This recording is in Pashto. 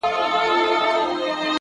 مثبت ذهن د فرصتونو بوی احساسوي